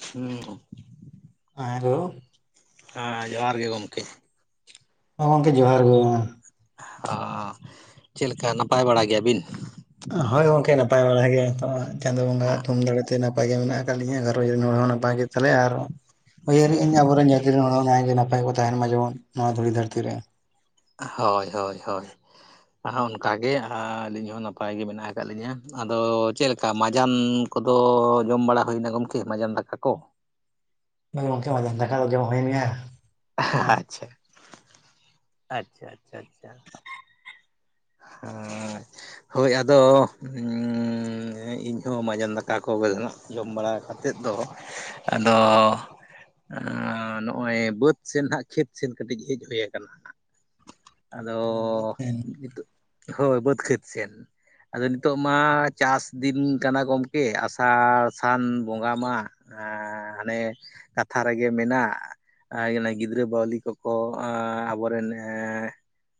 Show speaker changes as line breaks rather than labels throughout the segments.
ᱦᱩᱸ
ᱦᱮᱞᱳ
ᱦᱮᱸ ᱡᱚᱦᱟᱨ ᱜᱮ ᱜᱚᱢᱠᱮ᱾
ᱢᱟᱬᱟᱝ ᱛᱮ ᱡᱚᱦᱟᱨ ᱜᱮ
ᱟᱻ ᱪᱮᱫᱞᱮᱠᱟ ᱱᱟᱯᱟᱭ ᱵᱟᱲᱟ ᱜᱮᱭᱟ ᱵᱤᱱ?
ᱦᱳᱭ ᱜᱚᱝᱠᱮ ᱱᱟᱯᱟᱭ ᱵᱟᱲᱟ ᱜᱮᱭᱟ ᱛᱚ ᱪᱟᱸᱫᱚᱳ ᱵᱚᱸᱜᱟ-ᱟ ᱛᱩᱢ ᱫᱟᱲᱮ ᱛᱮ᱾ ᱛᱮ ᱱᱟᱯᱟᱭ ᱜᱮ ᱢᱮᱱᱟᱜ ᱟᱠᱟᱫ ᱞᱤᱧᱟᱹ ᱜᱷᱟᱸᱨᱚᱡᱽ ᱨᱮᱱ ᱦᱚᱲ ᱦᱚᱸ ᱱᱟᱯᱟᱭ ᱜᱮ᱾ ᱛᱟᱞᱦᱮ ᱟᱨ ᱩᱭᱦᱟᱹᱨᱮᱜ-ᱟᱹᱧ ᱟᱵᱚᱨᱮᱱ ᱡᱟᱹᱛᱤ ᱨᱮᱱ ᱦᱚᱲ ᱱᱟᱭᱜᱮ ᱱᱟᱯᱟᱭ ᱠᱚ ᱛᱟᱦᱮᱱ ᱢᱟ ᱡᱮᱢᱚᱱ ᱱᱚᱣᱟ ᱫᱷᱩᱲᱤ ᱫᱷᱟᱹᱨᱛᱤ ᱨᱮ᱾
ᱦᱳᱭ ᱦᱳᱭ ᱦᱳᱭ ᱚᱱᱠᱟᱜᱮ ᱟᱨ ᱟᱹᱞᱤᱧ ᱦᱚᱸ ᱱᱟᱯᱟᱭ ᱜᱮ ᱢᱮᱱᱟᱜ ᱟᱠᱟᱫ ᱞᱤᱧᱟᱹ ᱟᱫᱚ ᱪᱮᱫ ᱞᱮᱠᱟ ᱢᱟᱡᱟᱱ ᱠᱚᱫᱚ ᱡᱚᱢ ᱵᱟᱲᱟ ᱦᱩᱭᱱᱟ ᱜᱚᱢᱠᱮ ᱢᱟᱡᱟᱱ ᱫᱟᱠᱟ ᱠᱚ᱾
ᱜᱚᱢᱠᱮ ᱢᱟᱡᱟᱱ ᱫᱟᱠᱟ ᱫᱚ ᱡᱚᱢ ᱦᱩᱭᱮᱱ ᱜᱮᱭᱟ᱾
ᱟᱦᱟᱦᱟ ᱟᱪᱪᱷᱟ ᱟᱪᱪᱷᱟ ᱟᱪᱪᱷᱟ ᱟᱪᱪᱷᱟ
[unintelligible]
ᱦᱟᱸ ᱦᱳᱭ ᱟᱫᱚ᱾ ᱤᱧᱦᱚᱸ ᱢᱟᱡᱟᱱ ᱫᱟᱠᱟ ᱠᱚᱜᱮ ᱡᱚᱢ ᱵᱟᱲᱟ ᱠᱟᱛᱮᱫ ᱫᱚ᱾ ᱟᱫᱚ ᱱᱚᱜᱼᱚᱭ ᱵᱟᱹᱫᱽ ᱥᱮᱱ ᱦᱟᱸᱜ ᱠᱷᱮᱛ ᱥᱮᱱ ᱠᱟᱹᱴᱤᱡ ᱦᱮᱡ ᱦᱩᱭ ᱟᱠᱟᱱᱟ᱾ ᱟᱫᱚ
ᱦᱮᱸ
ᱱᱤᱛᱚᱜ ᱦᱳᱭ ᱵᱟᱹᱫᱽ ᱠᱷᱮᱛ ᱥᱮᱱ᱾ ᱟᱫᱚ ᱱᱤᱛᱚᱜ ᱢᱟ ᱪᱟᱹᱥ ᱫᱤᱱ ᱠᱟᱱᱟ ᱜᱚᱢᱠᱮ ᱟᱥᱟᱲ ᱥᱟᱱ ᱵᱚᱸᱜᱟ ᱢᱟ᱾ ᱦᱟᱱᱮ ᱠᱟᱛᱷᱟ ᱨᱮᱜᱮ ᱢᱮᱱᱟᱜ᱾ ᱜᱤᱫᱽᱨᱟᱹ ᱵᱟᱹᱣᱞᱤ ᱠᱚᱠᱚ ᱟᱵᱚᱨᱮᱱ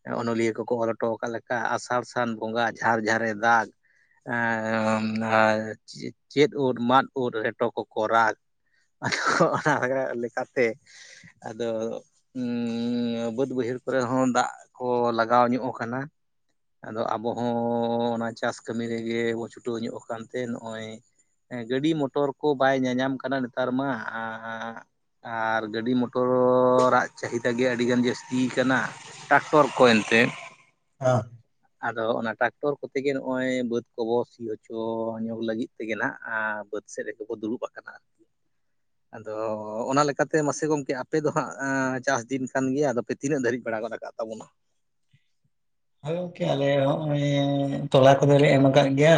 ᱮᱻ ᱚᱱᱚᱞᱤᱭᱟᱹ ᱠᱚᱠᱚ ᱚᱞ ᱦᱚᱴᱚ ᱟᱠᱟᱜ ᱞᱮᱠᱟ ᱟᱥᱟᱲ ᱥᱟᱱ ᱵᱚᱸᱜᱟ ᱡᱷᱟᱨ ᱡᱷᱟᱨᱮ ᱫᱟᱜᱽ᱾ ᱪᱮᱫ ᱳᱫ ᱢᱟᱫᱽ ᱳᱫ ᱨᱮᱴᱚ ᱠᱚ ᱨᱟᱜ᱾ ᱦᱚᱸ ᱚᱱᱟ ᱞᱮᱠᱟᱛᱮ ᱟᱫᱚ᱾ ᱵᱟᱹᱫᱽ ᱵᱟᱹᱭᱦᱟᱹᱲ ᱠᱚᱨᱮ ᱦᱚᱸ ᱫᱟᱜ ᱠᱚ ᱞᱟᱜᱟᱣ ᱧᱚᱜ ᱟᱠᱟᱱᱟ᱾ ᱟᱫᱚ ᱟᱵᱚ ᱦᱚᱸ ᱚᱱᱟ ᱪᱟᱥ ᱠᱟᱹᱢᱤ ᱨᱮᱜᱮ ᱵᱚ ᱪᱷᱩᱴᱟᱹᱣ ᱧᱚᱜ ᱟᱠᱟᱱᱛᱮ ᱱᱚᱜᱼᱚᱭ ᱦᱮᱸ ᱜᱟᱹᱰᱤ ᱢᱚᱴᱚᱨ ᱠᱚ ᱵᱟᱭ ᱧᱟᱧᱟᱢ ᱠᱟᱱᱟ ᱱᱮᱛᱟᱨ ᱢᱟ [unintelligible] ᱟᱨ ᱜᱟᱹᱰᱤ ᱢᱚᱴᱚᱨᱟᱜ ᱪᱟᱹᱦᱤᱫᱟ ᱜᱮ ᱟᱹᱰᱤ ᱜᱟᱱ ᱡᱟᱹᱥᱛᱤ ᱟᱠᱟᱱᱟ ᱴᱟᱠᱴᱚᱨ ᱠᱚ ᱮᱱᱛᱮ
ᱦᱟᱸ
ᱟᱫᱚ ᱚᱱᱟ ᱴᱟᱠᱴᱚᱨ ᱠᱚᱛᱮ ᱜᱮ ᱱᱚᱜᱼᱚᱭ ᱵᱟᱹᱫᱽ ᱠᱚᱵᱚ ᱥᱤ ᱦᱚᱪᱚ ᱧᱚᱜ ᱞᱟᱹᱜᱤᱫ ᱛᱮ ᱜᱮ ᱱᱟᱦᱟᱜ ᱵᱟᱹᱫᱽ ᱥᱮᱫ ᱨᱮᱜᱮ ᱠᱚ ᱫᱩᱲᱩᱵ ᱟᱠᱟᱱᱟ ᱟᱫᱚ ᱚᱱᱟ ᱞᱮᱠᱟᱛᱮ ᱢᱟᱥᱮ ᱜᱚᱝᱠᱮ ᱟᱯᱮ ᱫᱚ ᱦᱟᱸᱜ ᱪᱟᱥ ᱫᱤᱱ ᱠᱟᱱ ᱜᱮᱭᱟ ᱟᱫᱚ ᱯᱮ ᱛᱤᱱᱟᱹᱜ ᱫᱷᱟᱹᱨᱤᱡ ᱟᱸᱲᱜᱚᱫ ᱟᱠᱟᱫ ᱛᱟᱵᱚᱱᱟ
ᱦᱚᱭ ᱜᱚᱝᱠᱮ ᱟᱞᱮ ᱦᱚᱸᱜᱼᱚᱭ ᱛᱚᱞᱟ ᱠᱚᱫᱚᱞᱮ ᱮᱢ ᱟᱠᱟᱫ ᱜᱮᱭᱟ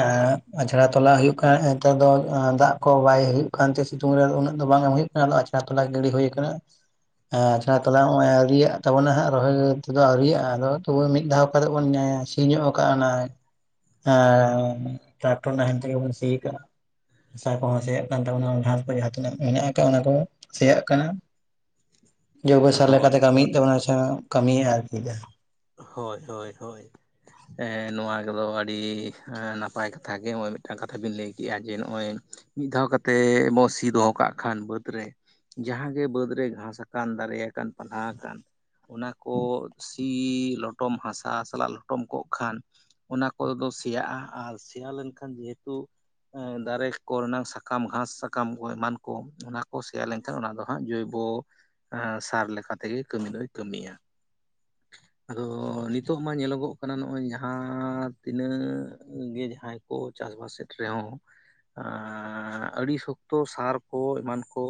ᱟᱪᱷᱲᱟ ᱛᱚᱞᱟ ᱦᱩᱭᱩᱜ ᱠᱟᱱ ᱱᱮᱛᱟᱨ ᱫᱚ ᱫᱟᱜ ᱠᱚ ᱵᱟᱭ ᱦᱩᱭᱩᱜ ᱠᱟᱱᱛᱮ ᱥᱤᱛᱩᱝ ᱨᱮ ᱩᱱᱟᱹᱜ ᱫᱚ ᱵᱟᱝ ᱮᱢ ᱦᱩᱭᱩᱜ ᱠᱟᱱᱟ ᱟᱪᱲᱟ ᱛᱚᱞᱟ ᱜᱤᱰᱤ ᱦᱩᱭᱩ ᱠᱟᱱᱟ᱾ ᱟᱪᱷᱲᱟ ᱛᱚᱞᱟ ᱱᱚᱜ-ᱚᱭ ᱟᱹᱣᱨᱤᱭᱟᱜ ᱛᱟᱵᱚᱱᱟ ᱦᱟᱸᱜ ᱨᱚᱦᱚᱭ ᱛᱮᱫᱚ ᱟᱹᱣᱨᱤᱭᱟᱜᱼᱟ ᱟᱫᱚ ᱛᱚᱵᱮ ᱢᱤᱫ ᱫᱷᱟᱣ᱾ ᱚᱠᱟ ᱴᱟᱜ ᱫᱚ ᱚᱱᱮ ᱥᱤ ᱧᱚᱜ ᱟᱠᱟᱜᱼᱟ ᱱᱟᱹᱭ ᱦᱮᱸ ᱦᱮᱸ ᱴᱟᱴᱚᱱᱟ ᱱᱟᱦᱮᱞ ᱛᱮᱜᱮ ᱵᱚᱱ ᱥᱤ ᱠᱟᱜ ᱦᱟᱥᱟ ᱠᱚ ᱦᱚᱸ ᱥᱮᱭᱟᱜ ᱠᱟᱱ ᱛᱟᱵᱚᱱᱟ ᱜᱷᱟᱸᱥ ᱠᱚ ᱡᱟᱦᱟᱸ ᱛᱤᱱᱟᱹᱜ ᱢᱮᱱᱟᱜ ᱠᱟᱜᱼᱟ ᱚᱱᱟ ᱠᱚ ᱦᱚᱸ ᱥᱮᱭᱟᱜ ᱠᱟᱱᱟ
[unintelligible]
ᱡᱚᱭᱵᱮᱥᱟᱨ ᱞᱮᱠᱟ
ᱦᱳᱭ
ᱛᱮ ᱠᱟᱹᱢᱤᱭᱮᱫ ᱛᱟᱵᱚᱱᱟ ᱥᱮ ᱠᱟᱹᱢᱤᱭᱮᱫᱼᱟ ᱟᱨᱠᱤ
ᱦᱚᱭ ᱦᱚᱭ ᱦᱚᱭ ᱦᱮᱸ ᱱᱚᱣᱟ ᱠᱚᱫᱚ ᱟᱹᱰᱤ ᱱᱟᱯᱟᱭ ᱠᱟᱛᱷᱟ ᱜᱮ ᱱᱚᱜᱼᱚᱭ ᱢᱤᱫᱴᱟᱝ ᱠᱟᱛᱷᱟ ᱵᱤᱱ ᱞᱟᱹᱭ ᱠᱮᱜᱼᱟ ᱡᱮ ᱱᱚᱜᱼᱚᱭ ᱢᱤᱫ ᱫᱷᱟᱣ ᱠᱟᱛᱮ ᱵᱚ ᱥᱤ ᱫᱚᱦᱚ ᱠᱟᱜ ᱠᱷᱟᱱ ᱵᱟᱹᱫᱽ ᱨᱮ ᱡᱟᱦᱟᱸᱜᱮ ᱵᱟᱹᱫᱽ ᱨᱮ ᱜᱷᱟᱸᱥ ᱟᱠᱟᱱ ᱫᱟᱨᱮ ᱟᱠᱟᱱ ᱯᱟᱞᱦᱟ ᱟᱠᱟᱱ ᱚᱱᱟ ᱠᱚ ᱥᱤ ᱥᱤ ᱞᱚᱴᱚᱢ ᱦᱟᱥᱟ ᱥᱟᱞᱟᱜ ᱞᱚᱴᱚᱢ ᱠᱚᱜ ᱠᱷᱟᱱ ᱚᱱᱟ ᱠᱚ ᱫᱚ ᱥᱮᱭᱟᱜᱼᱟ ᱟᱨ ᱥᱮᱭᱟ ᱞᱮᱱᱠᱷᱟᱱ ᱡᱮᱦᱮᱛᱩ ᱫᱟᱨᱮ ᱠᱚᱨᱮᱱᱟᱜ ᱥᱟᱠᱟᱢ ᱜᱷᱟᱸᱥ ᱥᱟᱠᱟᱢ ᱠᱚ ᱮᱢᱟᱱ ᱠᱚ ᱚᱱᱟ ᱠᱚ ᱥᱮᱭᱟ ᱚᱱᱟ ᱫᱚ ᱦᱟᱸᱜ ᱡᱚᱭᱵᱚ ᱥᱟᱨ ᱞᱮᱠᱟ ᱛᱮᱜᱮ ᱠᱟᱹᱢᱤ ᱫᱚᱭ ᱠᱟᱹᱢᱤᱭᱟ ᱟᱫᱚ ᱱᱤᱛᱚᱜ ᱢᱟ ᱧᱮᱞᱚᱜᱚᱜ ᱠᱟᱱᱟ ᱱᱚᱜᱼᱚᱭ ᱡᱟᱦᱟᱸ ᱛᱤᱱᱟᱹᱜ ᱜᱮ ᱡᱟᱦᱟᱸᱭ ᱠᱚ ᱪᱟᱥ ᱵᱟᱥ ᱥᱮᱫ ᱨᱮ ᱦᱚᱸ ᱟᱹᱰᱤ ᱥᱚᱠᱛᱚ ᱥᱟᱨ ᱠᱚ ᱮᱢᱟᱱ ᱠᱚ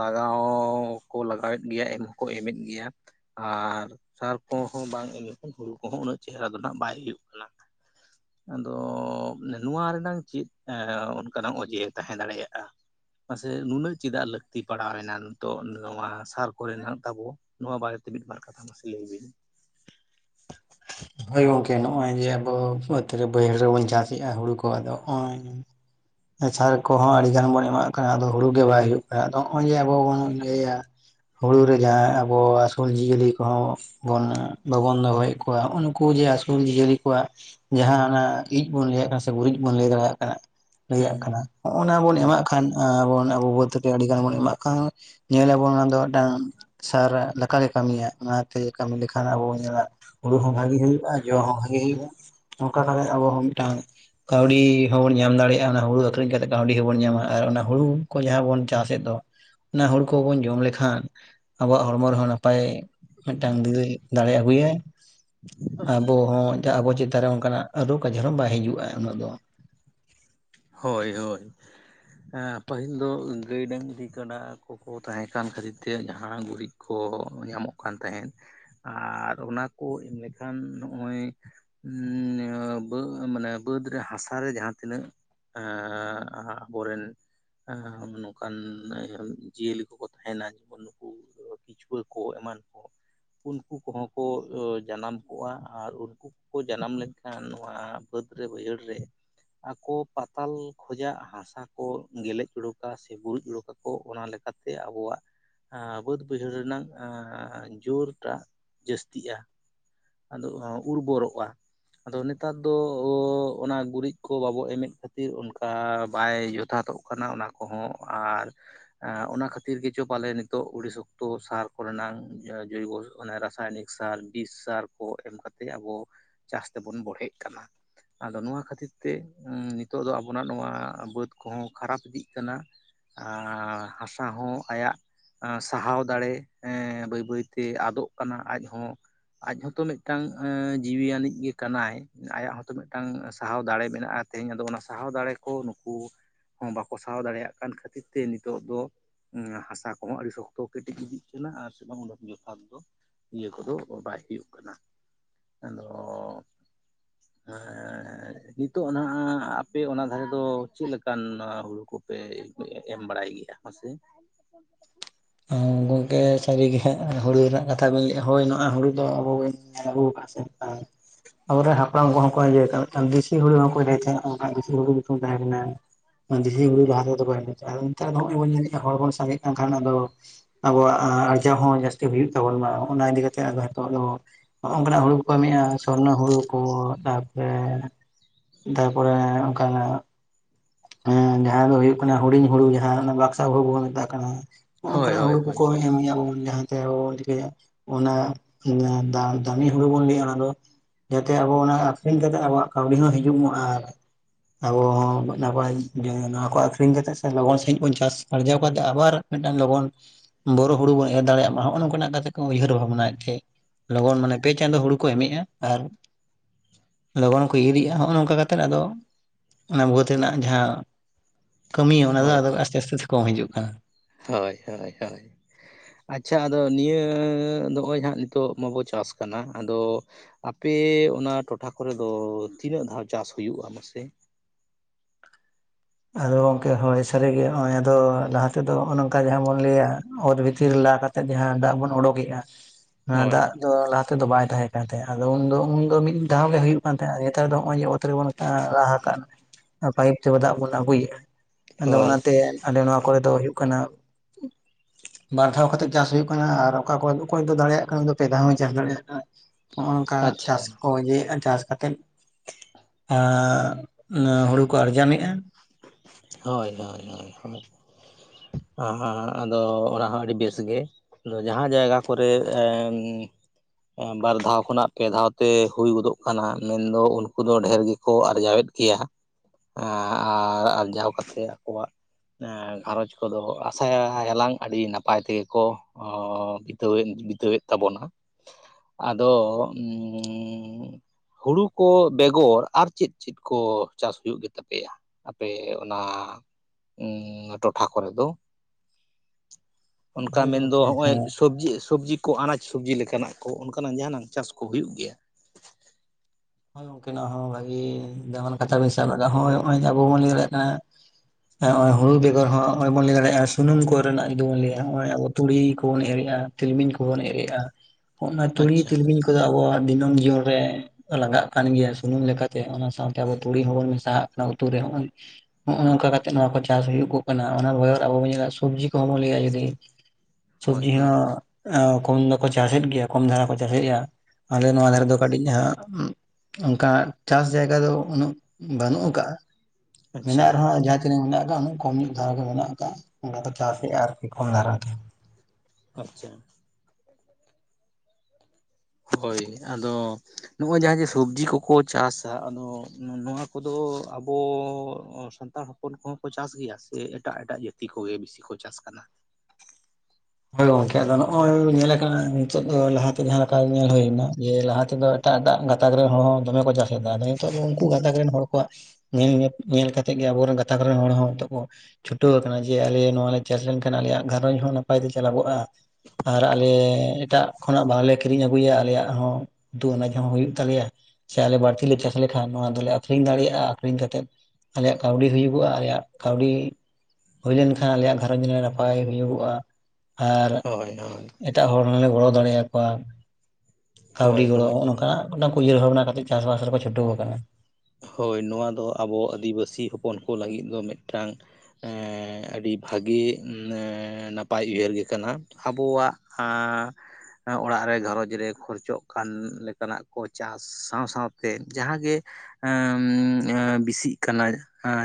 ᱞᱟᱜᱟᱣ ᱠᱚ ᱞᱟᱜᱟᱣᱮᱫ ᱜᱮᱭᱟ ᱮᱱ ᱦᱚᱸᱠᱚ ᱮᱢᱮᱫ ᱜᱮᱭᱟ ᱟᱨ ᱥᱟᱨ ᱠᱚᱦᱚᱸ ᱵᱟᱝ ᱮᱢᱠᱷᱟᱱ ᱦᱩᱲᱩ ᱠᱚᱦᱚᱸ ᱩᱱᱟᱹᱜ ᱪᱮᱨᱦᱟ ᱫᱚ ᱱᱟᱦᱟᱜ ᱵᱟᱭ ᱦᱩᱭᱩᱜ ᱠᱟᱱᱟ ᱟᱫᱚ ᱱᱚᱣᱟ ᱨᱮᱱᱟᱝ ᱪᱮᱫ ᱚᱱᱠᱟᱱᱟᱜ ᱚᱡᱮ ᱛᱟᱦᱮᱸ ᱫᱟᱲᱮᱭᱟᱜᱼᱟ ᱢᱟᱥᱮ ᱱᱩᱱᱟᱹᱜ ᱪᱮᱫᱟᱜ ᱞᱟᱹᱠᱛᱤ ᱯᱟᱲᱟᱣᱮᱱᱟ ᱱᱤᱛᱚᱜ ᱱᱚᱣᱟ ᱥᱟᱨ ᱠᱚᱨᱮᱱᱟᱜ ᱛᱟᱵᱚ ᱱᱚᱣᱟ ᱵᱟᱨᱮ ᱛᱮ ᱢᱤᱫ ᱵᱟᱨ ᱠᱟᱛᱷᱟ ᱢᱟᱥᱮ ᱞᱟᱹᱭ ᱵᱤᱱ
ᱦᱚᱭ ᱜᱚᱝᱠᱮ ᱱᱚᱜᱼᱚᱭ ᱡᱮ ᱟᱵᱚ ᱵᱟᱹᱫᱽ ᱨᱮ ᱵᱟᱹᱭᱦᱟᱹᱲ ᱨᱮᱵᱚᱱ ᱪᱟᱥᱮᱫᱼᱟ ᱦᱩᱲᱩ ᱠᱚ ᱟᱫᱚ ᱱᱚᱜᱼᱚᱭ
[unintelligible]
ᱥᱟᱨ ᱠᱚ ᱦᱚᱸ ᱟᱹᱰᱤᱜᱟᱱ ᱵᱚᱱ ᱮᱢᱟᱜ ᱠᱟᱱᱟ ᱟᱫᱚ ᱦᱩᱲᱩ ᱜᱮ ᱵᱟᱭ ᱦᱩᱭᱩᱜ ᱠᱟᱱᱟ ᱟᱫᱚ ᱱᱚᱜᱼᱚᱭ ᱡᱮ ᱟᱵᱚ ᱵᱚᱱ ᱤᱭᱟᱹᱭᱟ ᱦᱩᱲᱩ ᱨᱮ ᱡᱟᱦᱟᱸ ᱟᱵᱚ ᱟᱹᱥᱩᱞ ᱡᱤᱭᱟᱹᱞᱤ ᱠᱚᱦᱚᱸ ᱵᱚᱱ ᱵᱟᱵᱚᱱ ᱫᱚᱦᱚᱭᱮᱫ ᱠᱚᱣᱟ ᱦᱚᱸᱜ ᱩᱱᱠᱩ ᱡᱮ ᱟᱹᱥᱩᱞ ᱡᱤᱭᱟᱹᱞᱤ ᱠᱚᱣᱟᱜ ᱡᱟᱦᱟᱸ ᱚᱱᱟ ᱤᱡ ᱵᱚᱱ ᱞᱟᱹᱭᱟ ᱥᱮ ᱜᱩᱨᱤᱡᱽ ᱵᱚᱱ ᱞᱟᱹᱭ ᱫᱟᱲᱮᱭᱟᱜ ᱠᱟᱱᱟ ᱞᱟᱹᱭᱟᱜ
ᱦᱮᱸ
ᱠᱟᱱᱟ ᱦᱚᱸᱜᱼ ᱱᱟ ᱵᱚᱱ ᱮᱢᱟᱜ ᱠᱷᱟᱱ ᱟᱵᱚ ᱵᱟᱹᱫᱽ ᱟᱹᱰᱤᱜᱟᱱ ᱵᱚᱱ ᱮᱢᱟᱜ ᱠᱷᱟᱱ ᱧᱮᱞ ᱟᱵᱚᱱ ᱚᱱᱟ ᱫᱚ ᱢᱤᱫᱴᱟᱝ ᱥᱟᱨ ᱞᱮᱠᱟᱜᱮ ᱠᱟᱹᱢᱤᱭᱟ ᱚᱱᱟᱛᱮ ᱠᱟᱹᱢᱤ ᱞᱮᱠᱷᱟᱱ ᱟᱵᱚ ᱧᱮᱞᱟ ᱦᱩᱲᱩ ᱦᱚᱸ ᱵᱷᱟᱜᱤ ᱦᱩᱭᱩᱜᱼᱟ ᱡᱚ ᱦᱚᱸ ᱵᱷᱟᱜᱤ ᱦᱩᱭᱩᱜᱼᱟ ᱱᱚᱝᱠᱟ ᱠᱟᱛᱮ ᱟᱵᱚ ᱦᱚᱸ ᱢᱤᱫᱴᱟᱝ ᱠᱟᱹᱣᱰᱤ ᱦᱚᱸᱵᱚᱱ ᱧᱟᱢ ᱫᱟᱲᱮᱭᱟᱜᱼᱟ ᱚᱱᱟ ᱦᱩᱲᱩ ᱟᱹᱠᱷᱨᱤᱧ ᱠᱟᱛᱮ ᱠᱟᱹᱣᱰᱤ ᱦᱚᱸᱵᱚᱱ ᱧᱟᱢᱟ ᱟᱨ ᱚᱱᱟ ᱦᱩᱲᱩ ᱠᱚ ᱡᱟᱦᱟᱸ ᱵᱚᱱ ᱪᱟᱥᱮᱫ ᱫᱚ ᱚᱱᱟ ᱦᱩᱲᱩ ᱠᱚᱵᱚᱱ ᱡᱚᱢ ᱞᱮᱠᱷᱟᱱ ᱟᱵᱚᱣᱟᱜ ᱦᱚᱲᱢᱚ ᱨᱮᱦᱚᱸ ᱱᱟᱯᱟᱭ ᱢᱤᱫᱴᱟᱝ ᱫᱤᱞ ᱫᱟᱲᱮ ᱟᱹᱜᱩᱭᱟᱭ
[unintelligible]
ᱟᱵᱚ ᱦᱚᱸ ᱟᱵᱚ ᱪᱮᱛᱟᱱ ᱨᱮ ᱚᱱᱠᱟᱱᱟᱜ ᱨᱚᱜᱽ ᱟᱡᱟᱨ ᱦᱚᱸ ᱵᱟᱭ ᱦᱤᱡᱩᱜᱼᱟ ᱩᱱᱟᱹᱜ ᱫᱚ
ᱦᱚᱭ ᱦᱚᱭ ᱦᱮᱸ ᱯᱟᱹᱦᱤᱞ ᱫᱚ ᱜᱟᱹᱭ ᱰᱟᱹᱝᱨᱤ ᱠᱟᱰᱟ ᱠᱚ ᱠᱚ ᱛᱟᱦᱮᱸ ᱠᱟᱱ ᱠᱷᱟᱹᱛᱤᱨ ᱛᱮ ᱡᱟᱦᱟᱸ ᱜᱩᱨᱤᱡᱽ ᱠᱚ ᱧᱟᱢᱚᱜ ᱠᱟᱱ ᱛᱟᱦᱮᱸᱫ ᱟᱨ ᱚᱱᱟ ᱠᱚ ᱮᱢ ᱞᱮᱠᱷᱟᱱ ᱱᱚᱜᱼᱚᱭ, [unintelligible] ᱵᱟᱹ ᱢᱟᱱᱮ ᱵᱟᱹᱫᱽ ᱨᱮ ᱦᱟᱥᱟᱨᱮ ᱡᱟᱦᱟᱸ ᱛᱤᱱᱟᱹᱜ ᱮᱸ ᱱᱟᱦᱟᱜ ᱟᱵᱚᱨᱮᱱ, ᱮ ᱱᱚᱝᱠᱟᱱ ᱡᱤᱭᱟᱹᱞᱤ ᱠᱚᱠᱚ ᱛᱟᱦᱮᱱᱟ ᱡᱮᱢᱚᱱ ᱱᱩᱠᱩ ᱠᱤᱪᱩᱣᱟᱹ ᱠᱚ ᱮᱢᱟᱱ ᱠᱚ ᱩᱱᱠᱩ ᱠᱚᱦᱚᱸ ᱠᱚ ᱡᱟᱱᱟᱢ ᱠᱚᱜᱼᱟ ᱟᱨ ᱩᱱᱠᱩ ᱠᱚ ᱡᱟᱱᱟᱢ ᱞᱮᱱᱠᱷᱟᱱ ᱱᱚᱣᱟ ᱵᱟᱹᱫᱽ ᱨᱮ ᱵᱟᱹᱭᱦᱟᱹᱲ ᱨᱮ ᱟᱠᱚ ᱯᱟᱛᱟᱞ ᱠᱷᱚᱡᱟᱜ ᱦᱟᱥᱟ ᱠᱚ ᱜᱮᱞᱮᱫ ᱳᱰᱚᱠ-ᱟ ᱥᱮ ᱵᱩᱨᱩᱡ ᱚᱰᱚᱠ ᱟᱠᱚ ᱚᱱᱟ ᱞᱮᱠᱟᱛᱮ ᱟᱵᱚᱣᱟᱜ ᱯᱟ.... ᱟ ᱵᱟᱹᱫ ᱵᱟᱹᱭᱦᱟᱹᱲ ᱨᱮᱱᱟᱝ ᱡᱳᱨ ᱴᱟᱜ ᱡᱟᱹᱥᱛᱤᱜᱼᱟ, ᱟᱫᱚ ᱩᱨ ᱵᱚᱨᱚᱜᱼᱟ, ᱟᱫᱚ ᱱᱮᱛᱟᱨ ᱫᱚ ᱚᱸ ᱚᱱᱟ ᱜᱩᱨᱤᱡ ᱠᱚ ᱵᱟᱵᱚ ᱮᱢᱮᱫ ᱠᱷᱟᱹᱛᱤᱨ ᱚᱱᱠᱟ ᱵᱟᱭ ᱡᱚᱛᱷᱟᱛᱚᱜ ᱠᱟᱱᱟ ᱚᱱᱟ ᱠᱚᱦᱚᱸ, ᱟᱨ ᱚᱱᱟ ᱠᱷᱟᱹᱛᱤᱨ ᱜᱮᱪᱚ ᱯᱟᱞᱮ ᱱᱤᱛᱚᱜ ᱩᱰᱤᱥᱚᱠᱛᱚ ᱥᱟᱨ ᱠᱚᱨᱮᱱᱟᱝ ᱡᱚᱭᱵᱚ ᱨᱟᱥᱟᱭᱚᱱᱤᱠ ᱥᱟᱨ ᱵᱤᱥ ᱥᱟᱨ ᱠᱚ ᱮᱢ ᱠᱟᱛᱮᱫ ᱟᱵᱚ ᱪᱟᱥ ᱛᱮᱵᱚᱱ ᱵᱚᱲᱦᱮᱜ ᱠᱟᱱᱟ ᱟᱫᱚ ᱱᱚᱣᱟ ᱠᱷᱟᱹᱛᱤᱨ ᱛᱮ ᱱᱤᱛᱚᱜ ᱫᱚ ᱟᱵᱚᱱᱟᱜ ᱱᱚᱣᱟ ᱵᱟᱹᱫᱽ ᱠᱚ ᱦᱚᱸ ᱠᱷᱟᱨᱟᱯ ᱤᱫᱤᱜ ᱠᱟᱱᱟ ᱟᱨ ᱦᱟᱥᱟ ᱦᱚᱸ ᱟᱭᱟᱜ ᱟ ᱥᱟᱦᱟᱣ ᱫᱟᱲᱮ ᱵᱟᱹᱭ ᱵᱟᱹᱭ ᱛᱮ ᱟᱫᱚᱜ ᱠᱟᱱᱟ ᱟᱡ ᱦᱚᱸ ᱟᱡ ᱦᱚᱸ ᱛᱚ ᱢᱤᱫᱴᱟᱝ ᱟᱺ.. ᱡᱤᱣᱤ ᱟᱱᱤᱡ ᱜᱮ ᱠᱟᱱᱟᱭ ᱟᱭᱟᱜ ᱦᱚᱸᱛᱚ ᱢᱤᱫᱴᱟᱝ ᱥᱟᱦᱟᱣ ᱫᱟᱲᱮ ᱢᱮᱱᱟᱜᱼᱟ, ᱛᱮᱦᱮᱧ ᱟᱫᱚ ᱚᱱᱟ ᱥᱟᱦᱟᱣ ᱫᱟᱲᱮ ᱠᱚ ᱱᱩᱠᱩ ᱦᱚᱸ ᱵᱟᱠᱚ ᱥᱟᱦᱟᱣ ᱫᱟᱲᱮᱭᱟᱜ ᱠᱟᱱ ᱠᱷᱟᱹᱛᱤᱨ ᱛᱮ ᱱᱤᱛᱚᱜ ᱫᱚ ᱦᱩᱸ ᱦᱟᱥᱟ ᱠᱚᱦᱚᱸ ᱟᱹᱰᱤ ᱥᱚᱠᱛᱚ ᱠᱮᱴᱮᱡ ᱤᱫᱤᱜ ᱠᱟᱱᱟ ᱟᱨ [unintelligible] [unintelligible] ᱡᱚᱛᱷᱟᱛ ᱫᱚ, ᱤᱭᱟᱹ ᱠᱚᱫᱚ ᱵᱟᱭ ᱦᱩᱭᱩᱜ ᱠᱟᱱᱟ ᱟᱫᱚ ᱦᱮᱸ ᱱᱤᱛᱚᱜ ᱱᱟᱦᱟᱜ ᱟᱯᱮ ᱚᱱᱟ ᱫᱷᱟᱨᱮ ᱫᱚ ᱪᱮᱫ ᱞᱮᱠᱟᱱ ᱦᱩᱲᱩ ᱠᱚᱯᱮ ᱮᱢ ᱵᱟᱲᱟᱭ ᱜᱮᱭᱟ? ᱯᱷᱟᱥᱮ, [inaudible] [inaudible]
ᱮᱸ ᱜᱚᱝᱠᱮ ᱥᱟᱹᱨᱤᱜᱮ ᱦᱟᱸᱜ ᱦᱩᱲᱩ ᱨᱮᱱᱟᱜ ᱠᱟᱛᱷᱟ ᱵᱤᱱ ᱞᱟᱹᱭ ᱮᱫ-ᱟ ᱦᱳᱭ ᱱᱚᱼᱟ ᱦᱩᱲᱩ ᱫᱚ ᱟᱵ ᱵᱤᱱ, ᱧᱮᱞ ᱟᱹᱜᱩ ᱠᱟᱜ-ᱟ ᱥᱮ ᱚᱱᱠᱟ, ᱟᱵᱚᱨᱮᱱ ᱦᱟᱯᱲᱟᱢ ᱠᱚᱦᱚᱸ ᱠᱚ ᱤᱭᱟᱹᱭᱮᱫ ᱛᱟᱦᱮᱸᱫ ᱫᱮᱥᱤ ᱦᱩᱲᱩ ᱦᱚᱸᱠᱚ ᱤᱫᱤ ᱛᱟᱦᱮᱫ ᱱᱚᱜ-ᱚ ᱱᱚᱝᱠᱟ ᱫᱮᱥᱤ ᱦᱩᱲᱩ ᱧᱩᱛᱩᱢ ᱛᱟᱦᱮᱸ ᱠᱟᱱᱟ, ᱵᱟᱝ ᱫᱮᱥᱤ ᱦᱩᱲᱩ ᱞᱟᱦᱟᱛᱮ ᱫᱚ ᱵᱟᱝ ᱟᱫᱚ ᱱᱮᱛᱟᱨ ᱫᱚ ᱱᱚᱜ-ᱚᱭ ᱵᱚᱱ ᱧᱮᱞᱮᱜᱼᱟ ᱦᱚᱲ ᱵᱚᱱ ᱥᱟᱸᱜᱮ ᱠᱟᱱ ᱠᱷᱟᱱ ᱟᱫᱚ ᱟᱵᱚᱣᱟᱜ ᱟᱨᱡᱟᱣ ᱦᱚᱸ ᱡᱟᱹᱥᱛᱤ ᱦᱩᱭᱩᱜ ᱛᱟᱵᱚᱱ ᱢᱟ ᱚᱱᱟ ᱤᱫᱤ ᱠᱟᱛᱮ ᱟᱫᱚ ᱦᱚᱭᱛᱚ ᱟᱫᱚ ᱱᱚᱜ-ᱚ ᱱᱚᱝᱠᱟ ᱱᱟᱜ ᱦᱩᱲᱩ ᱠᱚ ᱠᱟᱹᱢᱤ ᱮᱫᱼᱟ ᱥᱚᱨᱱᱚ ᱦᱩᱲᱩ ᱠᱚ ᱛᱟᱯᱚᱨᱮ ᱛᱟᱨᱯᱚᱨᱮ ᱚᱱᱠᱟᱱᱟᱜ, ᱦᱮᱸ ᱡᱟᱦᱟᱸ ᱫᱚ ᱦᱩᱭᱩᱜ ᱠᱟᱱᱟ ᱦᱩᱰᱤᱧ ᱦᱩᱲᱩ ᱡᱟᱦᱟᱸ ᱚᱱᱟ ᱵᱟᱠᱥᱟ ᱦᱳᱲᱳ ᱵᱚᱱ ᱢᱮᱛᱟᱜ ᱠᱟᱱᱟ, ᱱᱚᱜ-ᱚ ᱚᱱᱠᱟ
ᱦᱳᱭ
ᱱᱟᱜ
ᱦᱳᱭ
ᱦᱩᱲ
ᱦᱳᱭ
ᱠᱚᱠᱚ ᱮᱢᱮᱜ ᱟᱵᱚᱱ ᱡᱟᱦᱟᱸᱫ ᱛᱮ ᱨᱚ ᱵᱚᱱ ᱛᱤᱠᱟᱹᱭᱟ ᱚᱱᱟ ᱫᱟ ᱫᱟ ᱫᱟᱢᱤ ᱦᱩᱲᱩ ᱵᱚᱱ ᱞᱟᱹᱭ ᱮᱫ-ᱟ ᱚᱱᱟ ᱫᱚ ᱡᱟᱛᱮ ᱟᱵᱚ ᱚᱱᱟ ᱟᱠᱷᱨᱤᱧ ᱠᱟᱛᱮ ᱟᱵᱚᱣᱟᱜ ᱠᱟᱹᱣᱰᱤ ᱦᱚᱸ ᱦᱤᱡᱩᱜ ᱢᱟ ᱟᱨ ᱟᱵᱚ ᱦᱚᱸ ᱱᱟᱯᱟᱭ ᱡᱮ ᱱᱚᱣᱟ ᱠᱚ ᱟᱠᱷᱨᱤᱧ ᱠᱟᱛᱮᱜ ᱥᱮ ᱞᱚᱜᱚᱱ ᱥᱟᱺᱦᱤᱡ ᱵᱚᱱ ᱪᱟᱥ ᱟᱨᱡᱟᱣ ᱠᱟᱛᱮᱜ ᱟᱵᱟᱨ ᱢᱤᱫᱴᱟᱝ ᱞᱚᱜᱚᱱ ᱵᱳᱨᱚ ᱦᱩᱲᱩ ᱵᱚᱱ ᱮᱨ ᱫᱟᱲᱮᱭᱟᱜ ᱢᱟ ᱱᱚᱜᱼᱚ ᱱᱚᱝᱠᱟᱱᱟᱜ ᱠᱟᱛᱷᱟ ᱠᱚ ᱩᱭᱦᱟᱹᱨ ᱵᱷᱟᱵᱱᱟ ᱮᱫ ᱛᱟᱦᱮᱫ, ᱞᱚᱜᱚᱱ ᱢᱟᱱᱮ ᱯᱮ ᱪᱟᱸᱫᱳ ᱦᱩᱲᱩ ᱠᱚ ᱮᱢᱮᱜᱼᱟ ᱟᱨ ᱞᱚᱜᱚᱱ ᱠᱚ ᱤᱨᱮᱜᱼᱟ ᱱᱚᱜᱼᱚᱭ ᱱᱚᱝᱠᱟ ᱠᱟᱛᱮᱜ ᱟᱫᱚ ᱚᱱᱟ ᱵᱟᱹᱫᱽ ᱮᱛ ᱨᱮᱱᱟᱜ ᱡᱟᱦᱟᱸ ᱠᱟᱹᱢᱤᱭᱟᱹ ᱚᱱᱟ ᱫᱚ
ᱦᱳᱭ
ᱟᱫᱚ ᱟᱥᱛᱮ ᱟᱥᱛᱮ ᱛᱮ ᱠᱚᱢ ᱦᱤᱡᱩᱜ ᱠᱟᱱᱟ,
ᱦᱳᱭ ᱦᱳᱭ ᱦᱳᱭ, ᱟᱪᱪᱷᱟ ᱟᱫᱚ ᱱᱤᱭᱟᱹ ᱫᱚᱜᱼᱚᱭ ᱡᱟᱦᱟ ᱦᱟᱸᱜ ᱱᱤᱛᱚᱜ ᱢᱟᱵᱚ ᱪᱟᱥ ᱠᱟᱱᱟ ᱟᱫᱚ ᱟᱯᱮ ᱚᱱᱟ ᱴᱚᱴᱷᱟ ᱠᱚᱨᱮ ᱫᱚ ᱛᱤᱱᱟᱹᱜ ᱫᱷᱟᱣ ᱪᱟᱥ ᱦᱩᱭᱩᱜᱼᱟ ᱢᱟᱥᱮ?
ᱟᱫᱚ ᱜᱚᱝᱠᱮ ᱦᱳᱭ ᱥᱟᱹᱨᱤᱜᱮ ᱱᱚᱜᱼᱚᱭ ᱟᱫᱚ ᱞᱟᱦᱟ ᱛᱮᱫᱚ ᱱᱚᱜ-ᱚᱭ ᱱᱚᱝᱠᱟ ᱡᱟᱦᱟᱸ ᱵᱚᱱ ᱞᱟᱹᱭᱟ ᱚᱛ ᱵᱷᱤᱛᱤᱨ ᱞᱟ ᱠᱟᱛᱮ, ᱛᱮᱫ ᱡᱟᱦᱟᱸ ᱫᱟᱜ ᱵᱚᱱ ᱚᱰᱚᱠ ᱮᱫᱼᱟ,
[inaudible] [inaudible]
ᱦᱟᱸ ᱫᱟᱜ ᱫᱚ ᱞᱟᱦᱟ ᱛᱮᱫᱚ ᱵᱟᱭ ᱛᱟᱦᱮᱸ ᱠᱟᱱ ᱛᱟᱦᱮᱸᱜ ᱟᱫᱚ ᱩᱱᱫᱚ ᱩᱱᱫᱚ ᱢᱤᱫ ᱫᱷᱟᱣ ᱜᱮ ᱦᱩᱭᱩᱜ ᱠᱟᱱ ᱛᱟᱦᱮᱸᱜ ᱱᱮᱛᱟᱨ ᱫᱚ ᱱᱚᱜ-ᱚᱭ ᱡᱮ ᱚᱛ ᱨᱮᱵᱚᱱ ᱮᱸ ᱨᱟᱦᱟ ᱠᱟᱱ ᱯᱟᱭᱤᱯ ᱛᱮ ᱵᱚ ᱫᱟᱜ ᱵᱚᱱ ᱟᱹᱜᱩᱭᱮᱜᱟ ᱟᱫᱚ
ᱦᱳᱭ
ᱚᱱᱟᱛᱮ ᱟᱞᱮ ᱱᱚᱣᱟ ᱠᱚᱨᱮ ᱫᱚ ᱦᱩᱭᱩᱜ ᱠᱟᱱᱟ, ᱵᱟᱨ ᱫᱷᱟᱣ ᱠᱟᱛᱮᱫ ᱪᱟᱥ ᱦᱩᱭᱩᱜ ᱠᱟᱱᱟ ᱟᱨ ᱚᱠᱟ ᱠᱚ ᱚᱠᱚᱭ ᱫᱚ ᱫᱟᱲᱮᱭᱟᱜ ᱠᱟᱱ ᱩᱱᱤ ᱫᱚ ᱯᱮ ᱫᱷᱟᱣ ᱦᱚᱭ ᱪᱟᱥ ᱫᱟᱲᱮᱭᱟᱜ ᱠᱟᱱᱟ, ᱱᱚᱜ-ᱚ ᱱᱚᱝᱠᱟ
ᱟᱪᱪᱷᱟ
ᱪᱟᱥ ᱠᱚ ᱤᱭᱟᱹ ᱭᱮᱫᱼᱟ ᱪᱟᱥ ᱠᱟᱛᱮᱫ, ᱟ ᱦᱩᱲᱩ ᱠᱚ ᱟᱨᱡᱟᱱᱮᱜᱼᱟ,
ᱦᱳᱭ ᱦᱳᱭ ᱦᱳᱭ ᱟᱫᱚ ᱚᱱᱟ ᱦᱚᱸ ᱟᱹᱰᱤ ᱵᱮᱥ ᱜᱮ ᱟᱫᱚ ᱡᱟᱦᱟᱸ ᱡᱟᱭᱜᱟ ᱠᱚᱨᱮ ᱵᱟᱨ ᱫᱷᱟᱣ ᱠᱷᱚᱱᱟᱜ ᱯᱮ ᱫᱷᱟᱣ ᱛᱮ ᱦᱩᱭ ᱜᱚᱫᱚᱜ ᱠᱟᱱᱟ ᱢᱮᱱᱫᱚ ᱩᱱᱠᱩ ᱫᱚ ᱰᱷᱮᱨ ᱜᱮᱠᱚ ᱟᱨᱡᱟᱣᱮᱫ ᱠᱚ ᱜᱮᱭᱟ ᱟᱨ ᱟᱨᱡᱟᱣ ᱠᱟᱛᱮᱫ ᱟᱠᱚᱣᱟᱜ ᱜᱷᱟᱨᱚᱸᱡᱽ ᱠᱚᱫᱚ ᱟᱥᱟᱭᱟᱞᱟᱝ ᱟᱹᱰᱤ ᱱᱟᱯᱟᱭ ᱛᱮᱜᱮ ᱠᱚ ᱵᱤᱛᱟᱹᱣ ᱵᱤᱛᱟᱹᱣᱮᱫ ᱛᱟᱵᱚᱱᱟ᱾ ᱟᱫᱚ ᱩᱸ ᱦᱩᱲᱩ ᱠᱚ ᱵᱮᱜᱚᱨ ᱟᱨ ᱪᱮᱫ ᱪᱮᱫ ᱠᱚ ᱪᱟᱥ ᱦᱩᱭᱩᱜ ᱜᱮᱛᱟᱯᱮᱭᱟ ᱟᱯᱮ ᱚᱱᱟ ᱴᱚᱴᱷᱟ ᱠᱚᱨᱮ ᱫᱚ ᱚᱱᱠᱟ
ᱦᱳᱭ
ᱢᱮᱱᱫᱚ
ᱜᱚᱝᱠᱮ
ᱦᱚᱜᱼᱚᱭ
ᱦᱮᱸ
ᱥᱚᱵᱡᱤ ᱥᱚᱵᱡᱤ ᱠᱚ ᱠᱚ ᱟᱱᱟᱡᱽ ᱥᱚᱵᱡᱤ ᱞᱮᱠᱟᱱᱟᱜ ᱠᱚ ᱚᱱᱠᱟᱱᱟᱜ ᱡᱟᱦᱟᱱᱟᱱᱟᱜ ᱪᱟᱥ ᱠᱚ ᱦᱩᱭᱩᱜ ᱜᱮᱭᱟ
ᱦᱳᱭ ᱩᱱᱠᱱᱟᱜ ᱦᱚᱸ ᱵᱷᱟᱜᱤ ᱫᱟᱢᱟᱱ ᱠᱟᱛᱷᱟ ᱵᱤᱱ ᱥᱟᱵ ᱟᱠᱟᱫᱟ ᱱᱚᱜᱼᱚᱭ ᱟᱵᱚ ᱵᱚᱱ ᱞᱟᱹᱭ ᱫᱟᱲᱮᱭᱟᱜ ᱠᱟᱱᱟ ᱚᱭ ᱦᱩᱲᱩ ᱵᱮᱜᱚᱨ ᱦᱚᱸ ᱱᱚᱜ ᱚᱭ ᱵᱚᱱ ᱞᱟᱹᱭ ᱫᱟᱲᱮᱭᱟᱜᱼᱟ ᱥᱩᱱᱩᱢ ᱠᱚᱨᱮ ᱡᱩᱫᱤ ᱵᱚᱱ ᱞᱟᱹᱭᱟ ᱱᱚᱜ ᱚ ᱟᱵᱚ ᱛᱩᱲᱤ ᱠᱚᱵᱚᱱ ᱮᱨᱮᱜᱼᱟ ᱛᱤᱞᱢᱤᱧ ᱠᱚᱵᱚᱱ ᱮᱨ ᱮᱜᱼᱟᱜ ᱚᱱᱟ ᱛᱩᱲᱤ
ᱟᱪᱪᱷᱟ
ᱛᱤᱞᱢᱤᱧ ᱠᱚᱫᱚ ᱟᱵᱚᱣᱟᱜ ᱫᱤᱱᱟᱹᱢ ᱡᱤᱭᱚᱱ ᱨᱮ ᱞᱟᱜᱟᱜ ᱠᱟᱱ ᱜᱮᱭᱟ ᱥᱩᱱᱩᱢ ᱞᱮᱠᱟᱛᱮ ᱚᱱᱟ ᱥᱟᱶᱛᱮ ᱟᱵᱚ ᱛᱩᱲᱤ ᱦᱚᱸᱵᱚᱱ ᱢᱮᱥᱟᱣᱟᱜ ᱠᱟᱱᱟ ᱩᱛᱩ ᱨᱮ ᱱᱚᱜᱚᱭ ᱱᱚᱜᱼᱚᱭ ᱱᱚᱝᱠᱟ ᱠᱟᱛᱮᱜ ᱱᱚᱣᱟ ᱠᱚ ᱪᱟᱥ ᱦᱩᱭᱩᱜ ᱠᱟᱱᱟ ᱚᱱᱟ ᱵᱚᱭᱚᱨ ᱨᱮ ᱟᱵᱚ ᱵᱚᱱ ᱧᱮᱞᱟ ᱥᱚᱵᱡᱤ ᱠᱚᱦᱚᱸ ᱵᱚ ᱞᱟᱹᱭᱟ ᱡᱩᱫᱤ᱾
[inaudible]
ᱥᱚᱵᱡᱤ ᱦᱚ ᱠᱚᱢ ᱫᱚᱠᱚ ᱪᱟᱥᱮᱫ ᱜᱮᱭᱟ ᱠᱚᱢ ᱫᱷᱟᱨᱟ ᱠᱚ ᱪᱟᱥᱮᱫᱼᱟ ᱟᱞᱮ ᱱᱚᱣᱟ ᱫᱷᱟᱨᱮ ᱫᱚ ᱠᱟᱹᱴᱤᱡ ᱡᱟᱦᱟᱸ ᱚᱱᱠᱟ ᱪᱟᱥ ᱡᱟᱭᱜᱟ ᱫᱚ ᱩᱱᱟᱹᱜ ᱵᱟᱹᱱᱩᱜ ᱠᱟᱜᱼᱟ ᱢᱮᱱᱟᱜ
ᱟᱪᱪᱷᱟ
ᱨᱮᱦᱚᱸ [unintelligible] ᱤᱧ ᱢᱮᱱᱟᱜ ᱠᱟᱫᱼᱟ ᱩᱱᱟᱹᱜ ᱠᱚᱢ ᱧᱚᱜ ᱫᱷᱟᱨᱟ ᱜᱮ ᱢᱮᱱᱟᱜ ᱟᱠᱟᱫᱼᱟ ᱚᱰᱮ ᱠᱚ ᱪᱟᱥᱮᱜᱼᱟ ᱟᱨᱠᱤ ᱠᱚᱢ ᱫᱷᱟᱨᱟ ᱜᱮ
ᱟᱪᱪᱷᱟ ᱦᱳᱭ ᱟᱫᱚ ᱱᱚᱜᱼᱚᱭ ᱡᱟᱦᱟᱸ ᱡᱮ ᱥᱚᱵᱡᱤ ᱠᱚᱠᱚ ᱪᱟᱥᱟ ᱟᱫᱚ ᱱᱚᱣᱟ ᱠᱚᱫᱚ ᱟᱵᱚ ᱥᱟᱱᱛᱟᱲ ᱦᱚᱯᱚᱱ ᱠᱚᱦᱚᱸ ᱠᱚ ᱪᱟᱥ ᱜᱮᱭᱟ ᱥᱮ ᱮᱴᱟᱜ ᱮᱴᱟᱜ ᱡᱟᱹᱛᱤ ᱠᱚᱜᱮ ᱵᱤᱥᱤ ᱠᱚ ᱪᱟᱥ ᱠᱟᱱᱟ
ᱦᱳᱭ ᱜᱚᱝᱠᱮ ᱟ ᱱᱚᱜ ᱚᱭ ᱧᱮᱞ ᱠᱟᱱᱟ ᱱᱤᱛᱚᱜ ᱫᱚ ᱞᱟᱦᱟᱛᱮ ᱡᱟᱦᱟᱸ ᱞᱮᱠᱟ ᱧᱮᱞ ᱦᱩᱭᱱᱟ ᱡᱮ ᱞᱟᱦᱟ ᱛᱮᱫᱚ ᱮᱴᱟᱜ ᱛᱟᱜ ᱜᱟᱛᱟᱠ ᱨᱮᱱ ᱦᱚᱲ ᱦᱚᱸ ᱫᱚᱢᱮ ᱠᱚ ᱪᱟᱥᱮᱫᱟ ᱟᱫᱚ ᱱᱤᱛᱚᱜ ᱫᱚ ᱩᱱᱠᱩ ᱜᱟᱛᱟᱠ ᱨᱮᱱ ᱦᱚᱲ ᱟᱠᱚᱣᱟᱜ ᱧᱮᱞ ᱧᱮᱞ ᱠᱟᱛᱮᱫ ᱜᱮ ᱟᱵᱚᱨᱮᱱ ᱜᱟᱛᱟᱠᱨᱮᱱ ᱦᱚᱲ ᱦᱚᱸ ᱱᱤᱛᱚᱜ ᱠᱚ ᱪᱷᱩᱴᱟᱹᱣ ᱱᱟ ᱡᱮ ᱟᱞᱮ ᱱᱚᱣᱟ ᱞᱮ ᱪᱟᱥ ᱞᱮᱱᱠᱷᱟᱱ ᱟᱞᱮᱭᱟᱜ ᱜᱷᱟᱷᱟᱨᱚᱧᱡᱽ ᱦᱚᱸ ᱱᱟᱯᱟᱭ ᱛᱮ ᱪᱟᱞᱟᱵᱚᱜᱼᱟ ᱟᱨ ᱟᱞᱮ ᱮᱴᱟᱜ ᱠᱷᱚᱱᱟᱜ ᱵᱟᱝᱞᱮ ᱠᱤᱨᱤᱧ ᱟᱹᱜᱩᱭᱟ ᱟᱞᱮᱭᱟᱜ ᱦᱚᱸ ᱩᱛᱩ ᱟᱱᱟᱡ ᱦᱩᱭᱩᱜ ᱛᱟᱞᱮᱭᱟ ᱥᱮ ᱟᱞᱮ ᱵᱟᱹᱲᱛᱤ ᱞᱮ ᱪᱟᱥ ᱞᱮᱠᱷᱟᱱ ᱱᱚᱣᱟ ᱫᱚᱞᱮ ᱟᱠᱷᱨᱤᱧ ᱫᱟᱲᱮᱭᱟᱜᱼᱟ ᱟᱠᱷᱨᱤᱧ ᱠᱟᱛᱮᱫ ᱟᱞᱮᱭᱟᱜ ᱠᱟᱹᱣᱰᱤ ᱦᱩᱭᱩᱜᱚᱜᱼᱟ ᱟᱞᱮᱭᱟᱜ ᱠᱟᱹᱣᱰᱤ ᱦᱳᱭ ᱞᱮᱱᱠᱷᱟᱱ ᱟᱞᱮᱭᱟᱜ ᱜᱷᱟᱨᱚᱸᱧᱡᱽ ᱨᱮ ᱱᱟᱯᱟᱭ ᱦᱳᱭᱳᱜᱚᱜᱼᱟ᱾ ᱟᱨ
ᱦᱳᱭ ᱦᱳᱭ
ᱮᱴᱟᱜ ᱦᱚᱲ ᱦᱚᱸᱞᱮ ᱜᱚᱲᱚ ᱫᱟᱲᱮᱭᱟᱠᱚᱣᱟ᱾
ᱦᱳᱭ
ᱠᱟᱹᱣᱰᱤ ᱜᱚᱲᱚ
ᱦᱳᱭ
ᱦᱚᱜᱼᱱᱟᱜ ᱢᱤᱫ ᱩᱟᱹᱨᱦᱚᱨ ᱠᱟᱛᱮᱫ ᱪᱟᱥᱵᱟᱥ ᱨᱮᱠᱚ ᱪᱷᱩᱴᱟᱹᱣ ᱟᱠᱟᱱᱟ᱾
ᱦᱳᱭ ᱱᱚᱣᱟ ᱫᱚ ᱟᱵᱚ ᱟᱹᱫᱤᱵᱟᱹᱥᱤ ᱦᱚᱯᱚᱱ ᱠᱚ ᱞᱟᱹᱜᱤᱫ ᱫᱚ ᱢᱤᱫᱴᱟᱝ ᱟᱹᱰᱤ ᱵᱷᱟᱹᱜᱮ ᱱᱟᱯᱟᱭ ᱩᱭᱦᱟᱹᱨ ᱜᱮ ᱠᱟᱱᱟ ᱟᱵᱚᱣᱟᱜ ᱟᱨ ᱚᱲᱟᱜ ᱨᱮ ᱜᱷᱟᱸᱨᱚᱧᱡᱽ ᱨᱮ ᱠᱷᱚᱨᱚᱪᱚᱜ ᱠᱟᱱ ᱞᱮᱠᱟᱱᱟᱜ ᱠᱚ ᱪᱟᱥ ᱥᱟᱶ ᱥᱟᱶᱟᱛᱮ ᱡᱟᱦᱟᱸᱜᱮ ᱮ ᱵᱮᱥᱤᱜ ᱠᱟᱱᱟ᱾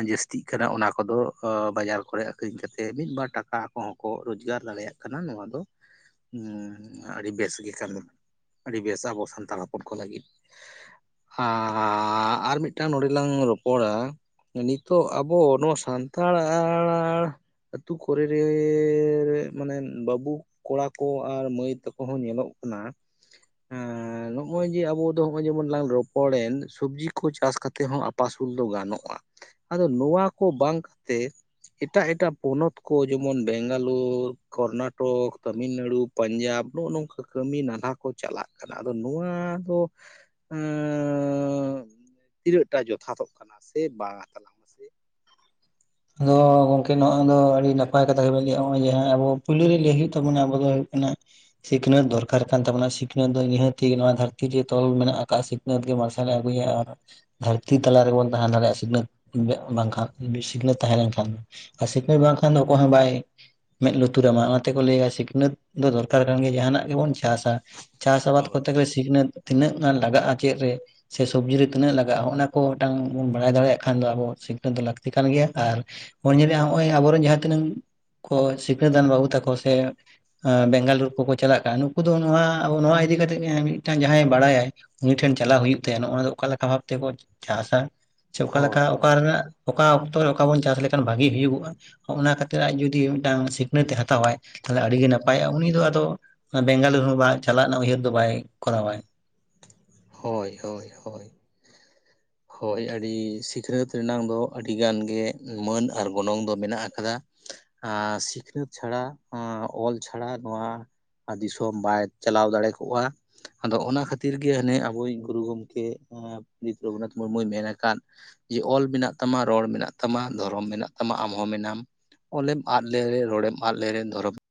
ᱡᱟᱹᱥᱛᱤᱜ ᱠᱟᱱᱟ ᱚᱱᱟ ᱠᱚᱫᱚ ᱵᱟᱡᱟᱨ ᱠᱚᱨᱮ ᱟᱹᱠᱷᱨᱤᱧ ᱠᱟᱛᱮᱫ ᱢᱤᱫᱵᱟᱨ ᱴᱟᱠᱟ᱾ ᱠᱚᱦᱚᱸ ᱠᱚ ᱨᱚᱡᱽᱜᱟᱨ ᱫᱟᱲᱮᱭᱟᱜ ᱠᱟᱱᱟ ᱱᱚᱣᱟ ᱫᱚ᱾ ᱦᱩᱸ ᱟᱹᱰᱤ ᱵᱮᱥ ᱜᱮ ᱠᱟᱱᱟ ᱟᱹᱰᱤ ᱵᱮᱥ ᱟᱵᱚ ᱥᱟᱱᱛᱟᱲ ᱦᱚᱯᱚᱱ ᱠᱚ ᱞᱟᱹᱜᱤᱫ᱾ ᱟ ᱟᱨ ᱢᱤᱫᱴᱟᱝ ᱱᱚᱸᱰᱮ ᱞᱟᱝ ᱨᱚᱯᱚᱲᱟ ᱱᱤᱛᱚᱜ ᱟᱵᱚ ᱱᱚᱣᱟ ᱥᱟᱱᱛᱟᱲ ᱟᱲ ᱟᱲ ᱟᱹᱛᱩ ᱠᱚᱨᱮ ᱨᱮ ᱨᱮ ᱢᱟᱱᱮ ᱵᱟᱹᱵᱩ ᱠᱚᱲᱟ ᱠᱚ ᱟᱨ ᱢᱟᱹᱭ ᱛᱟᱠᱚ ᱦᱚᱸ ᱧᱮᱞᱚᱜ ᱠᱟᱱᱟ ᱮᱸ ᱱᱚᱜᱼᱚᱭ ᱡᱮ ᱟᱵᱚ ᱫᱚ ᱱᱚᱜᱼᱚᱭ ᱡᱮ ᱞᱟᱝ ᱨᱚᱯᱚᱲᱮᱱ ᱥᱚᱵᱽᱡᱤ ᱠᱳ ᱪᱟᱥ ᱠᱟᱛᱮᱫ ᱦᱚᱸ ᱟᱯᱟᱥᱩᱞ ᱫᱚ ᱜᱟᱱᱚᱜᱼᱟᱲ᱾ ᱟᱫᱚ ᱱᱚᱣᱟ ᱠᱚ ᱵᱟᱝ ᱠᱟᱛᱮ ᱮᱴᱟᱜ ᱮᱴᱟᱜ ᱯᱚᱱᱚᱛ ᱠᱚ ᱡᱮᱢᱚᱱ ᱵᱮᱝᱜᱟᱞᱳᱨ ᱠᱚᱨᱱᱟᱴᱚᱠ ᱛᱟᱹᱢᱤᱞᱱᱟᱹᱲᱩ ᱯᱟᱧᱡᱟᱵᱽ ᱱᱚᱜᱼᱚᱭ ᱱᱚᱝᱠᱟ ᱠᱟᱹᱢᱤ ᱱᱟᱞᱦᱟ ᱠᱚ ᱪᱟᱞᱟᱜ ᱠᱟᱱᱟ ᱟᱫᱚ ᱱᱚᱣᱟ ᱫᱚ ᱟᱸᱻ ᱛᱤᱱᱟᱹᱜᱴᱟ ᱡᱚᱛᱷᱟᱛᱚᱜ ᱠᱟᱱᱟ ᱥᱮ ᱵᱟᱝ ᱼᱟ ᱠᱟᱱᱟ?
ᱟᱫᱚ ᱜᱚᱝᱠᱮ ᱱᱚᱣᱟᱜ ᱫᱚ ᱟᱹᱰᱤ ᱱᱟᱯᱟᱭ ᱠᱟᱛᱷᱟ ᱜᱮᱵᱚᱱ ᱞᱮᱭᱮᱜᱼᱟ ᱾ᱱᱚᱜᱼᱚᱭ ᱡᱮ ᱟᱵᱚ ᱯᱳᱞᱳ ᱨᱮ ᱞᱟᱹᱭ ᱦᱳᱭᱳᱜ ᱛᱟᱵᱚᱱᱟ ᱟᱵᱚ ᱫᱚ ᱦᱳᱭᱳᱜ ᱠᱟᱱᱟ ᱥᱤᱠᱷᱱᱟᱹᱛ ᱫᱚᱨᱠᱟᱨ ᱠᱟᱱ ᱛᱟᱵᱚᱱᱟ ᱥᱤᱠᱷᱱᱟᱹᱛ ᱫᱚ ᱱᱤᱦᱟᱹᱛᱤ ᱱᱚᱣᱟ ᱫᱷᱟᱹᱨᱛᱤ ᱨᱮ ᱛᱚᱞ ᱢᱮᱱᱟᱜ ᱟᱠᱟᱫ ᱥᱤᱵ ᱱᱟᱹᱫ ᱜᱮ ᱢᱟᱨᱥᱟᱞᱮ ᱟᱹᱜᱩᱭᱟ ᱟᱨ ᱫᱷᱟᱹᱨᱛᱤ ᱛᱟᱞᱟ ᱨᱮᱜᱮᱵᱚᱱ ᱛᱟᱦᱮ ᱫᱟᱲᱮᱭᱟᱜᱼᱟ, ᱥᱤᱠᱷᱱᱟᱹᱛ ᱵᱟᱝᱠᱷᱟᱱ ᱥᱤᱠᱷᱱᱟᱹᱛ ᱛᱟᱦᱮᱸ ᱞᱮᱱᱠᱷᱟᱱ ᱟᱨ ᱥᱤᱠᱷᱱᱟᱹᱛ ᱵᱟᱝᱠᱷᱟᱱ ᱫᱚ ᱚᱠᱚᱭ ᱦᱚᱸ ᱵᱟᱭ ᱢᱮᱸᱫ ᱞᱩᱛᱩᱨᱟᱢᱟ ᱚᱱᱟ ᱛᱮᱠᱚ ᱞᱟᱹᱭᱟ ᱥᱤᱠᱷᱱᱟᱹᱛ ᱫᱚ ᱫᱚᱨᱠᱟᱨ ᱠᱟᱱ ᱜᱮ ᱡᱟᱦᱟᱱᱟᱜ ᱜᱮᱵᱚᱱ ᱪᱟᱥᱟ ᱪᱟᱥ ᱟᱵᱟᱫᱽ ᱠᱚᱛᱮ ᱜᱮ ᱥᱤᱠᱷᱚᱱᱟᱹᱛ ᱛᱤᱱᱟᱹᱜ ᱜᱟᱱ ᱞᱟᱜᱟᱜᱼᱟ᱾ ᱪᱮᱜ ᱨᱮ? ᱥᱮ ᱥᱚᱵᱽᱡᱤ ᱨᱮ ᱛᱤᱱᱟᱹᱜ ᱞᱟᱜᱟᱜᱼᱟ ᱦᱚᱜᱱᱟ ᱠᱚ ᱢᱤᱫᱴᱟᱝ ᱵᱚᱱ ᱵᱟᱲᱟᱭ ᱫᱟᱲᱮᱭᱟᱜ ᱠᱷᱟᱱ ᱫᱚ ᱟᱵᱚ ᱥᱤᱠᱷᱱᱟᱹᱛ ᱫᱚ ᱞᱟᱹᱠᱚᱛᱤ ᱠᱟᱱ ᱜᱮᱭᱟ᱾ ᱟᱨ ᱦᱚᱸ [unintelligible] ᱟᱵᱚᱨᱮᱱ ᱡᱟᱦᱟᱸ ᱛᱤᱱᱟᱹᱝ, ᱠᱚ ᱥᱤᱠᱷᱟᱹᱛᱟᱱ ᱵᱟᱹᱵᱩ ᱛᱟᱠᱚ ᱥᱮ ᱮ ᱵᱮᱝᱜᱟᱞᱳᱨ ᱠᱚᱠᱚ ᱪᱟᱞᱟᱜ ᱠᱟᱱᱟ ᱱᱩᱠᱩ ᱫᱚ ᱱᱚᱣᱟ, ᱱᱚᱣᱟ ᱤᱫᱤ ᱠᱟᱛᱮᱜ ᱢᱤᱫᱴᱟᱝ ᱡᱟᱦᱟᱸᱭ ᱵᱟᱲᱟᱭᱟᱭ ᱩᱱᱤ ᱴᱷᱮᱱ ᱪᱟᱞᱟᱜ ᱦᱩᱭᱩᱜ ᱛᱟᱭᱟᱽ᱾ ᱱᱚᱜᱼᱟ ᱫᱚ ᱚᱠᱟ ᱞᱮᱠᱟ ᱵᱷᱟᱵ ᱛᱮᱠᱚ ᱪᱟᱥᱟ ᱥᱮ ᱚᱠᱟ
ᱦᱳᱭ
ᱚᱠᱟ ᱨᱮᱱᱟᱜ ᱚᱠᱟ ᱚᱠᱛᱚ ᱨᱮ ᱚᱠᱟ ᱵᱚᱱ ᱪᱟᱥ ᱞᱮᱠᱷᱟᱱ ᱵᱷᱟᱜᱤ ᱦᱩᱭᱩᱜᱼᱟ᱾ ᱦᱚᱜᱱᱟ ᱠᱷᱟᱛᱤᱨ ᱟᱡ ᱡᱩᱫᱤ ᱢᱤᱫᱴᱟᱝ ᱥᱤᱠᱷᱱᱟᱹᱛ ᱮ ᱦᱟᱛᱟᱣᱟᱭ᱾ ᱛᱟᱦᱚᱞᱮ ᱟᱹᱰᱤᱜᱮ ᱱᱟᱯᱟᱭᱚᱜᱼᱟ ᱩᱱᱤ ᱫᱚ ᱟᱫᱚ ᱵᱮᱝᱜᱟᱞᱩᱨ ᱦᱚᱸ ᱪᱟᱞᱟᱜ ᱨᱮᱱᱟᱜ ᱩᱭᱦᱟᱹᱨ ᱫᱚ ᱵᱟᱭ ᱠᱚᱨᱟᱣᱟᱭ᱾
ᱦᱳᱭ ᱦᱳᱭ ᱦᱳᱭ ᱦᱳᱭ ᱟᱹᱰᱤ ᱥᱤᱠᱷᱱᱟᱹᱛ ᱨᱮᱱᱟᱜ ᱫᱚ ᱟᱹᱰᱤ ᱜᱟᱱ ᱜᱮ ᱢᱟᱹᱱ ᱟᱨ ᱜᱚᱱᱚᱝ ᱫᱚ ᱢᱮᱱᱟᱜ ᱟᱠᱟᱫᱟ᱾ ᱟᱸ ᱥᱤᱠᱷᱱᱟᱹᱛ ᱪᱷᱟᱲᱟ ᱚᱞ ᱪᱷᱟᱲᱟ ᱱᱚᱣᱟ ᱟᱨ ᱫᱤᱥᱚᱢ ᱵᱟᱭ ᱪᱟᱞᱟᱣ ᱫᱟᱲᱮ ᱠᱚᱜᱼᱟ᱾ ᱟᱫᱚ ᱚᱱᱟ ᱠᱷᱟᱹᱛᱤᱨ ᱜᱮ ᱱᱤ ᱟᱵᱩᱭᱤᱡ ᱜᱩᱨᱩ ᱜᱚᱢᱠᱮ ᱯᱚᱱᱰᱤᱛ ᱨᱚᱜᱷᱩᱱᱟᱛᱷ ᱢᱩᱨᱢᱩᱭ ᱢᱮᱱ ᱟᱠᱟᱫ ᱡᱮ ᱚᱞ ᱢᱮᱱᱟᱜ ᱛᱟᱢᱟ ᱨᱚᱲ ᱢᱮᱱᱟᱜ ᱛᱟᱢᱟ ᱫᱷᱚᱨᱚᱢ ᱢᱮᱱᱟᱜ ᱛᱟᱢᱟ ᱟᱢᱦᱚᱸ ᱢᱮᱱᱟᱢ᱾ ᱚᱞᱮᱢ ᱟᱫ ᱞᱮᱨᱮ ᱨᱚᱲᱮᱢ ᱟᱫ ᱞᱮᱨᱮ ᱫᱷᱚᱨᱚᱢ